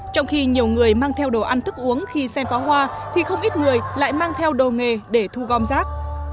trong khi nhiều người mang theo đồ ăn thức uống khi xem pháo hoa thì không ít người lại mang theo đồ nghề để thu gom rác